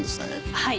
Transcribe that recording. はい。